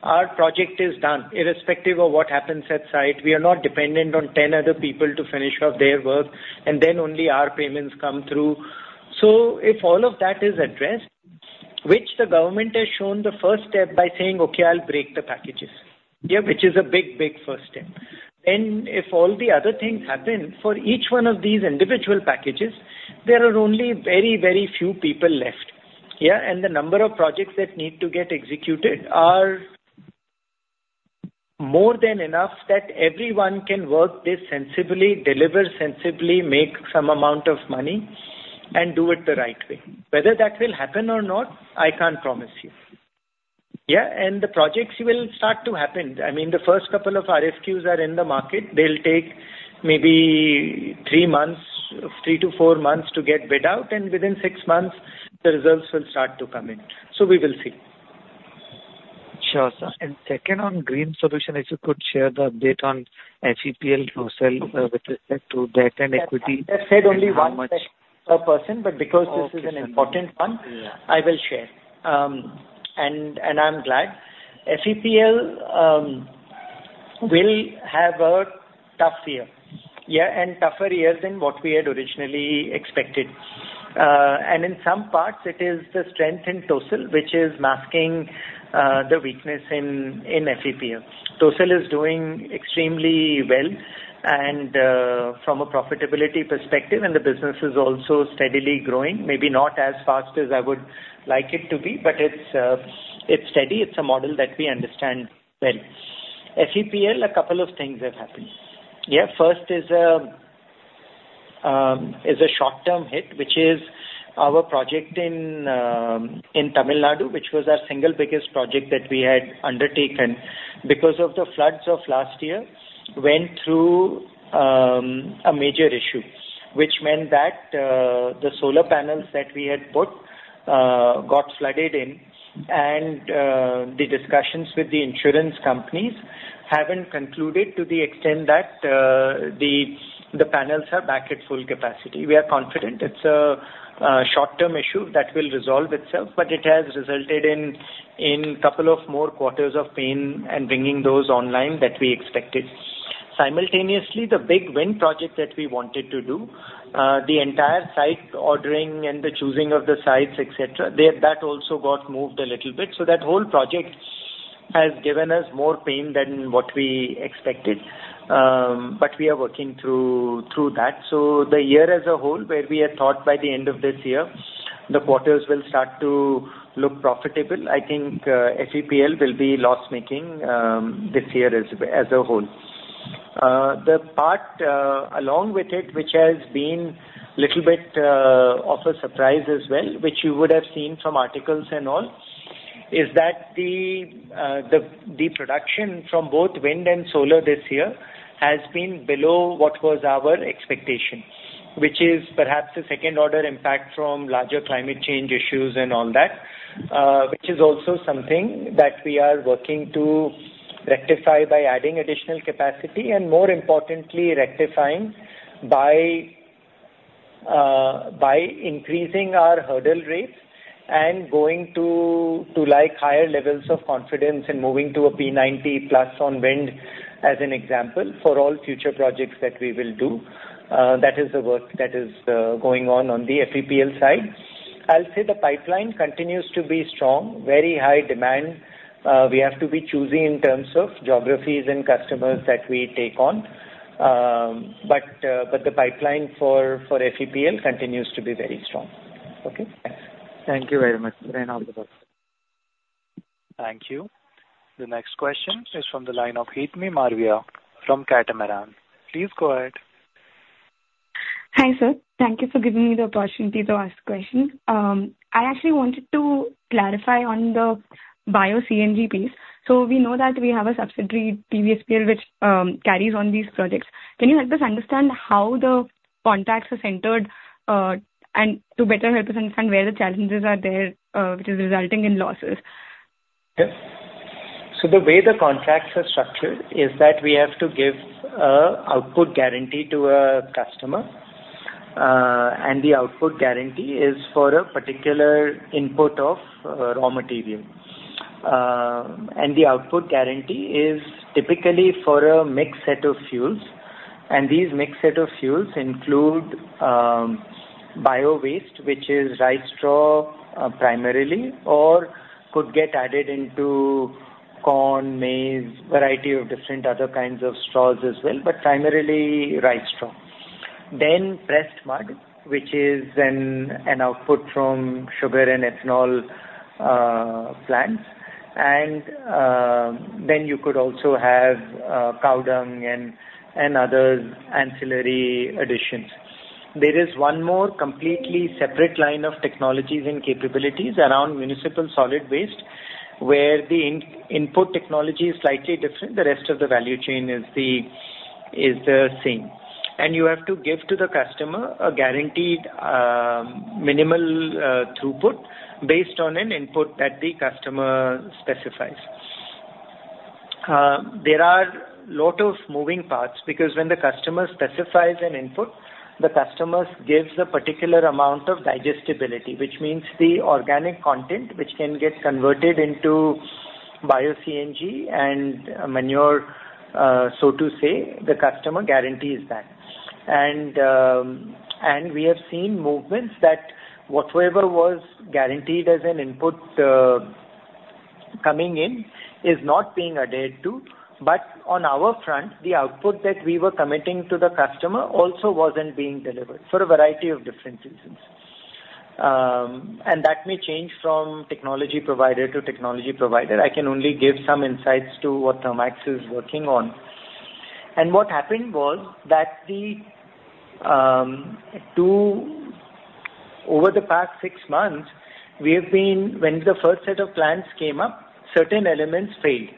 our project is done. Irrespective of what happens at site, we are not dependent on 10 other people to finish off their work, and then only our payments come through. So if all of that is addressed, which the government has shown the first step by saying, "Okay, I'll break the packages." Yeah, which is a big, big first step. And if all the other things happen, for each one of these individual packages, there are only very, very few people left. Yeah, and the number of projects that need to get executed are more than enough that everyone can work this sensibly, deliver sensibly, make some amount of money, and do it the right way. Whether that will happen or not, I can't promise you. Yeah, and the projects will start to happen. I mean, the first couple of RFQs are in the market. They'll take maybe 3 months, 3-4 months to get bid out, and within 6 months, the results will start to come in. So we will see. Sure, sir. And second, on green solution, if you could share the update on FEPL, TOESL, with respect to debt and equity? I've said only one per person- Okay. but because this is an important one. Yeah. I will share. And, and I'm glad. FEPL will have a tough year. Yeah, and tougher year than what we had originally expected. And in some parts, it is the strength in TOESL, which is masking the weakness in FEPL. TOESL is doing extremely well, and from a profitability perspective, and the business is also steadily growing. Maybe not as fast as I would like it to be, but it's it's steady. It's a model that we understand well. FEPL, a couple of things have happened. Yeah, first is a short-term hit, which is our project in Tamil Nadu, which was our single biggest project that we had undertaken. Because of the floods of last year, we went through a major issue, which meant that the solar panels that we had put got flooded in, and the discussions with the insurance companies haven't concluded to the extent that the panels are back at full capacity. We are confident it's a short-term issue that will resolve itself, but it has resulted in a couple of more quarters of pain and bringing those online than we expected. Simultaneously, the big wind project that we wanted to do, the entire site ordering and the choosing of the sites, et cetera, there, that also got moved a little bit. So that whole project has given us more pain than what we expected, but we are working through that. So the year as a whole, where we had thought by the end of this year, the quarters will start to look profitable, I think, FEPL will be loss-making, this year as a whole. The part along with it, which has been little bit of a surprise as well, which you would have seen from articles and all, is that the production from both wind and solar this year has been below what was our expectation, which is perhaps a second-order impact from larger climate change issues and all that. Which is also something that we are working to rectify by adding additional capacity, and more importantly, rectifying by, by increasing our hurdle rates and going to, to, like, higher levels of confidence in moving to a P90 plus on wind, as an example, for all future projects that we will do. That is the work that is, going on, on the FEPL side. I'll say the pipeline continues to be strong, very high demand. We have to be choosy in terms of geographies and customers that we take on. But, but the pipeline for, for FEPL continues to be very strong. Okay, thanks. Thank you very much. And all the best. Thank you. The next question is from the line of Hetmi Malavia from Catamaran. Please go ahead. Hi, sir. Thank you for giving me the opportunity to ask the question. I actually wanted to clarify on the bio-CNG piece. So we know that we have a subsidiary, TBSPL, which carries on these projects. Can you help us understand how the contracts are structured, and to better help us understand where the challenges are there, which is resulting in losses? Yes. So the way the contracts are structured is that we have to give a output guarantee to a customer, and the output guarantee is for a particular input of raw material. And the output guarantee is typically for a mixed set of fuels, and these mixed set of fuels include bio-waste, which is rice straw primarily, or could get added into corn, maize, variety of different other kinds of straws as well, but primarily rice straw. Then press mud, which is an output from sugar and ethanol plants. Then you could also have cow dung and other ancillary additions. There is one more completely separate line of technologies and capabilities around municipal solid waste, where the input technology is slightly different, the rest of the value chain is the same. And you have to give to the customer a guaranteed, minimal, throughput based on an input that the customer specifies. There are lot of moving parts, because when the customer specifies an input, the customers gives a particular amount of digestibility, which means the organic content, which can get converted into bio-CNG and manure, so to say, the customer guarantees that. And, and we have seen movements that whatever was guaranteed as an input, coming in is not being adhered to, but on our front, the output that we were committing to the customer also wasn't being delivered for a variety of different reasons. And that may change from technology provider to technology provider. I can only give some insights to what Thermax is working on. And what happened was that the, two... Over the past six months, we have been, when the first set of plants came up, certain elements failed.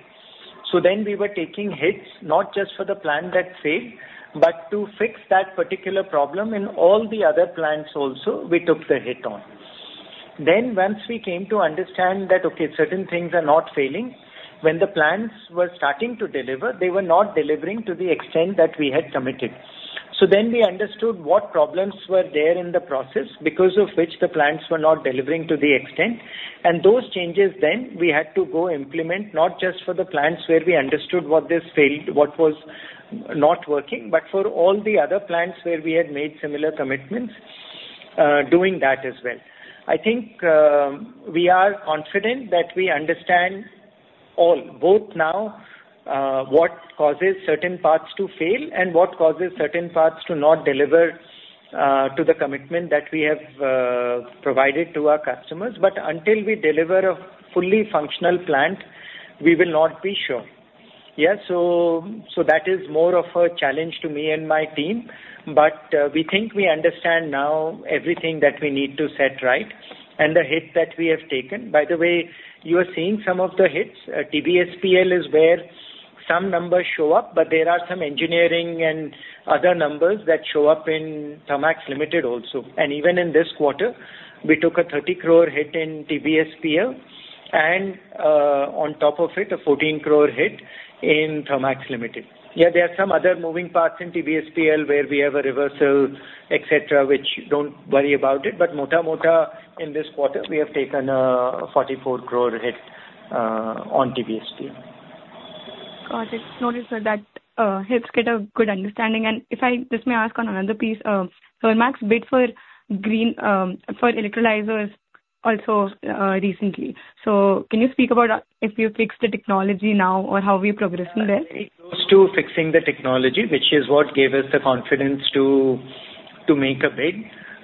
So then we were taking hits, not just for the plant that failed, but to fix that particular problem in all the other plants also, we took the hit on. Then once we came to understand that, okay, certain things are not failing, when the plants were starting to deliver, they were not delivering to the extent that we had committed. So then we understood what problems were there in the process, because of which the plants were not delivering to the extent. And those changes then, we had to go implement, not just for the plants where we understood what this failed, what was not working, but for all the other plants where we had made similar commitments, doing that as well. I think, we are confident that we understand all, both now, what causes certain parts to fail and what causes certain parts to not deliver, to the commitment that we have, provided to our customers. But until we deliver a fully functional plant, we will not be sure.... Yeah, so, so that is more of a challenge to me and my team, but, we think we understand now everything that we need to set right and the hit that we have taken. By the way, you are seeing some of the hits. TBSPL is where some numbers show up, but there are some engineering and other numbers that show up in Thermax Limited also. And even in this quarter, we took a 30 crore hit in TBSPL, and, on top of it, a 14 crore hit in Thermax Limited. Yeah, there are some other moving parts in TBSPL, where we have a reversal, et cetera, which don't worry about it, but in this quarter, we have taken a 44 crore hit on TBSPL. Got it. Noted, sir. That helps get a good understanding. If I just may ask on another piece, so Thermax bid for green for electrolyzers also recently. Can you speak about if you fixed the technology now or how we're progressing there? It goes to fixing the technology, which is what gave us the confidence to make a bid.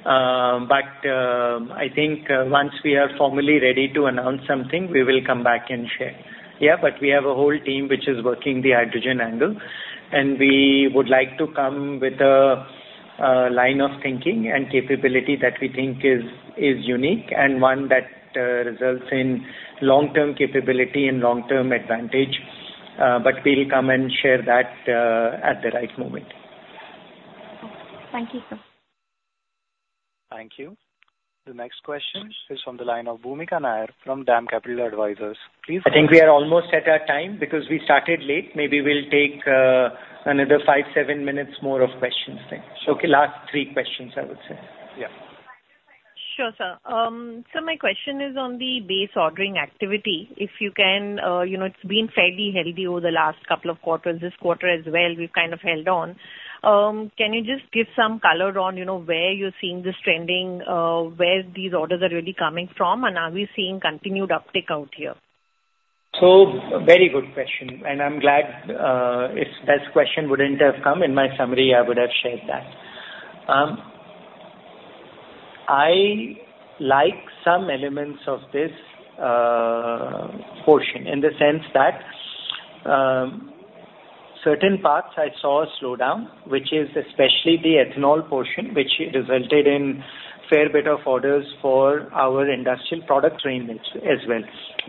But I think once we are formally ready to announce something, we will come back and share. Yeah, but we have a whole team which is working the hydrogen angle, and we would like to come with a line of thinking and capability that we think is unique and one that results in long-term capability and long-term advantage. But we'll come and share that at the right moment. Thank you, sir. Thank you. The next question is from the line of Bhumika Nair from DAM Capital Advisors. Please- I think we are almost at our time because we started late. Maybe we'll take another five, seven minutes more of questions then. Sure. Okay, last three questions, I would say. Yeah. Sure, sir. So my question is on the base ordering activity. If you can, you know, it's been fairly healthy over the last couple of quarters. This quarter as well, we've kind of held on. Can you just give some color on, you know, where you're seeing this trending, where these orders are really coming from, and are we seeing continued uptick out here? So very good question, and I'm glad, if this question wouldn't have come in my summary, I would have shared that. I like some elements of this, portion, in the sense that, certain parts I saw a slowdown, which is especially the ethanol portion, which resulted in fair bit of orders for our industrial product range as, as well.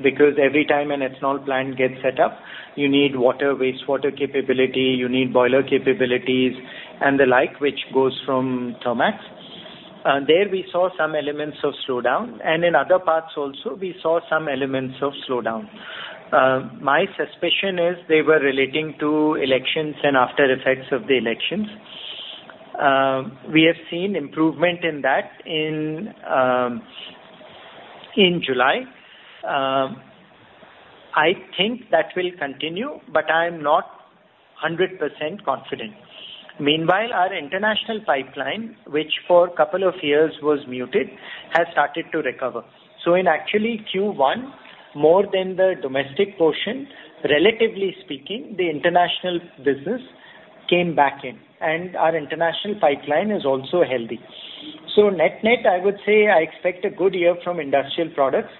Because every time an ethanol plant gets set up, you need water, wastewater capability, you need boiler capabilities and the like, which goes from Thermax. There we saw some elements of slowdown, and in other parts also we saw some elements of slowdown. My suspicion is they were relating to elections and after effects of the elections. We have seen improvement in that in, in July. I think that will continue, but I'm not 100% confident. Meanwhile, our international pipeline, which for a couple of years was muted, has started to recover. So in actually Q1, more than the domestic portion, relatively speaking, the international business came back in, and our international pipeline is also healthy. So net-net, I would say I expect a good year from industrial products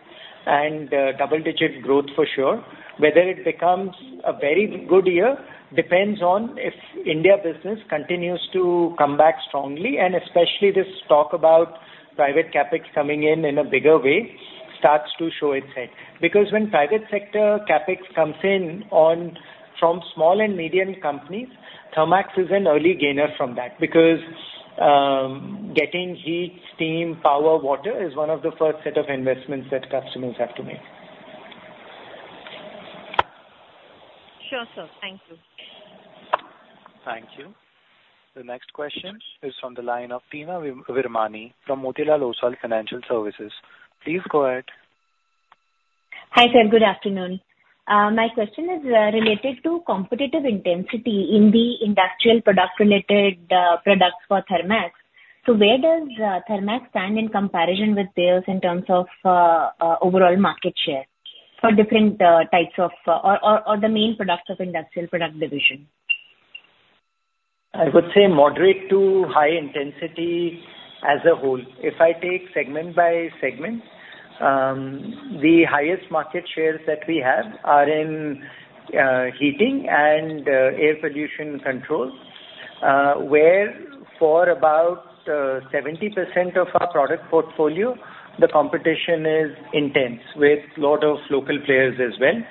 and double-digit growth for sure. Whether it becomes a very good year depends on if India business continues to come back strongly, and especially this talk about private CapEx coming in, in a bigger way, starts to show its head. Because when private sector CapEx comes in on, from small and medium companies, Thermax is an early gainer from that, because getting heat, steam, power, water is one of the first set of investments that customers have to make. Sure, sir. Thank you. Thank you. The next question is from the line of Teena Virmani from Motilal Oswal Financial Services. Please go ahead. Hi, sir. Good afternoon. My question is related to competitive intensity in the industrial product related products for Thermax. So where does Thermax stand in comparison with theirs in terms of overall market share for different types of or the main products of industrial product division? I would say moderate to high intensity as a whole. If I take segment by segment, the highest market shares that we have are in, heating and, air pollution control, where for about 70% of our product portfolio, the competition is intense with a lot of local players as well.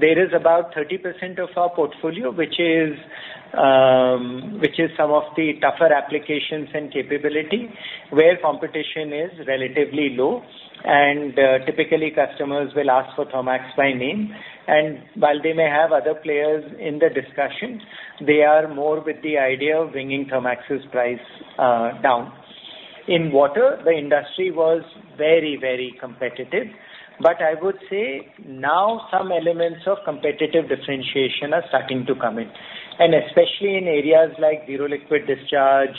There is about 30% of our portfolio, which is some of the tougher applications and capability, where competition is relatively low, and typically customers will ask for Thermax by name. And while they may have other players in the discussions, they are more with the idea of bringing Thermax's price down. In water, the industry was very, very competitive, but I would say now some elements of competitive differentiation are starting to come in, and especially in areas like zero liquid discharge,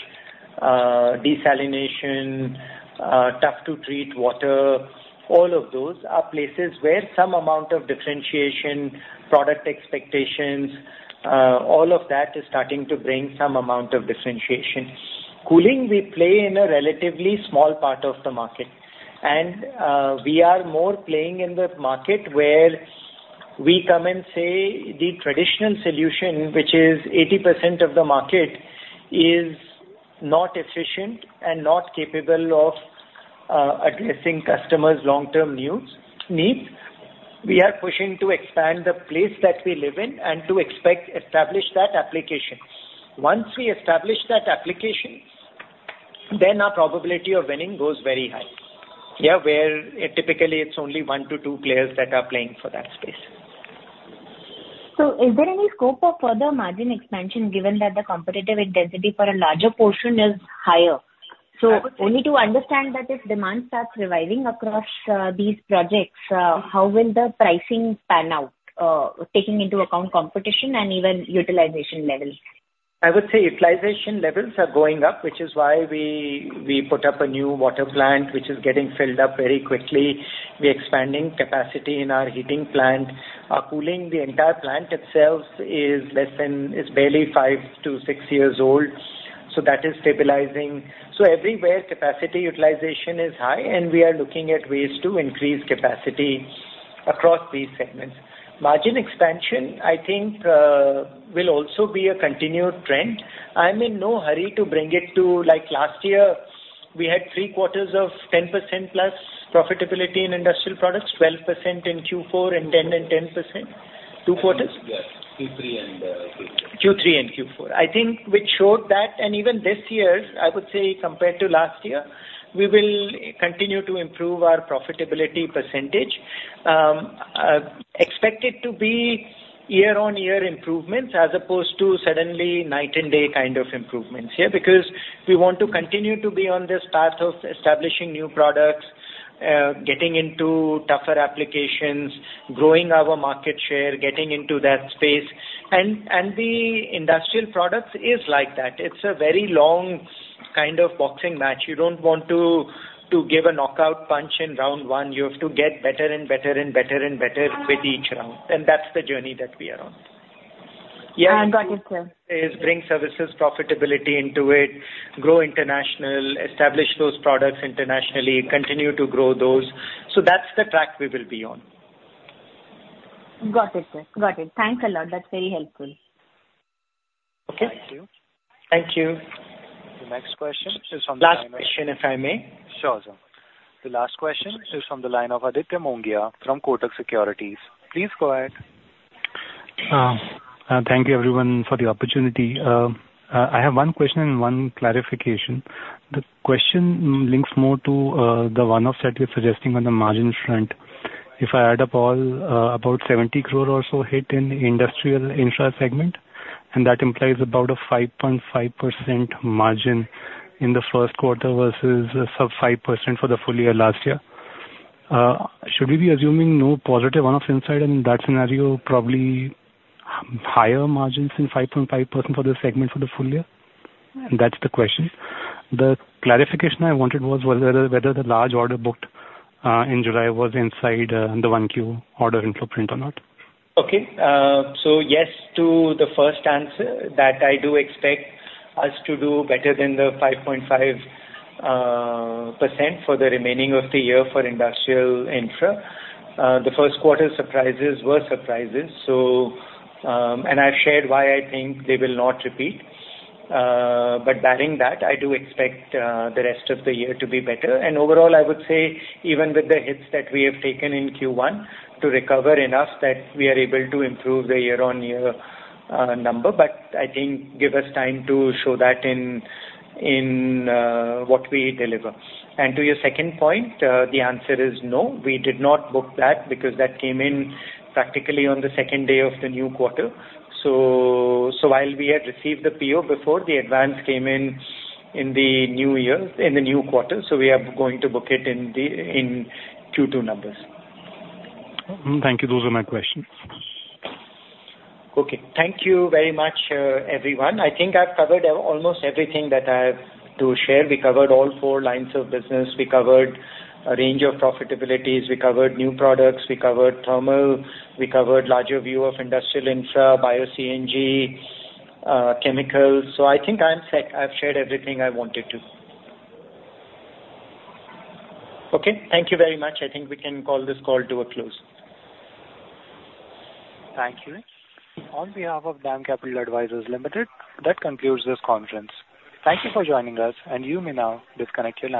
desalination, tough to treat water. All of those are places where some amount of differentiation, all of that is starting to bring some amount of differentiation. Cooling, we play in a relatively small part of the market, and we are more playing in the market where we come and say the traditional solution, which is 80% of the market, is not efficient and not capable of addressing customers' long-term needs. We are pushing to expand the place that we live in and to establish that application. Once we establish that application, then our probability of winning goes very high. Yeah, where it typically, it's only 1-2 players that are playing for that space. Is there any scope of further margin expansion, given that the competitive intensity for a larger portion is higher? Only to understand that if demand starts reviving across these projects, how will the pricing pan out, taking into account competition and even utilization levels? I would say utilization levels are going up, which is why we, we put up a new water plant, which is getting filled up very quickly. We're expanding capacity in our heating plant. Our cooling, the entire plant itself is less than, it's barely 5-6 years old, so that is stabilizing. So everywhere, capacity utilization is high, and we are looking at ways to increase capacity across these segments. Margin expansion, I think, will also be a continued trend. I'm in no hurry to bring it to-- Like, last year, we had three quarters of 10%+ profitability in industrial products, 12% in Q4, and 10% and 10%. Two quarters? Yes. Q3 and Q4. Q3 and Q4. I think which showed that, and even this year, I would say compared to last year, we will continue to improve our profitability percentage. Expect it to be year-on-year improvements, as opposed to suddenly night and day kind of improvements, yeah, because we want to continue to be on this path of establishing new products, getting into tougher applications, growing our market share, getting into that space. And the industrial products is like that. It's a very long kind of boxing match. You don't want to give a knockout punch in round one. You have to get better and better and better and better with each round, and that's the journey that we are on. I got it, sir. Is bring services profitability into it, grow international, establish those products internationally, continue to grow those. So that's the track we will be on. Got it, sir. Got it. Thanks a lot. That's very helpful. Okay. Thank you. Thank you. The next question is from the- Last question, if I may? Sure, sir. The last question is from the line of Aditya Mongia from Kotak Securities. Please go ahead. Thank you everyone for the opportunity. I have one question and one clarification. The question links more to the one-off that you're suggesting on the margin front. If I add up all about 70 crore or so hit in industrial infra segment, and that implies about a 5.5% margin in the first quarter versus a sub-5% for the full year last year. Should we be assuming no positive one-off inside, and in that scenario, probably higher margins than 5.5% for this segment for the full year? That's the question. The clarification I wanted was whether the large order booked in July was inside the Q1 order inflow or not. Okay. So yes to the first answer, that I do expect us to do better than the 5.5% for the remaining of the year for industrial infra. The first quarter surprises were surprises, so... And I've shared why I think they will not repeat. But barring that, I do expect the rest of the year to be better. And overall, I would say even with the hits that we have taken in Q1, to recover enough, that we are able to improve the year-on-year number. But I think give us time to show that in what we deliver. And to your second point, the answer is no. We did not book that, because that came in practically on the second day of the new quarter. So while we had received the PO before, the advance came in in the new year, in the new quarter, so we are going to book it in Q2 numbers. Thank you. Those are my questions. Okay. Thank you very much, everyone. I think I've covered almost everything that I have to share. We covered all four lines of business. We covered a range of profitabilities. We covered new products. We covered thermal. We covered larger view of industrial infra, Bio-CNG, chemicals. So I think I'm set. I've shared everything I wanted to. Okay, thank you very much. I think we can call this call to a close. Thank you. On behalf of DAM Capital Advisors Limited, that concludes this conference. Thank you for joining us, and you may now disconnect your lines.